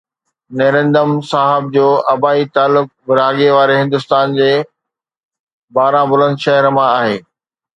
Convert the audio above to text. نيرندم صاحب جو آبائي تعلق ورهاڱي واري هندستان جي باران بلند شهر مان آهي